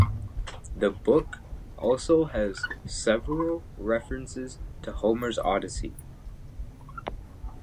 The book also has several references to Homer's "Odyssey".